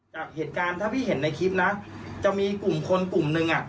จากเหตุการณ์ถ้าพี่เห็นในคลิปนะจะมีกลุ่มคนกลุ่มหนึ่งอ่ะ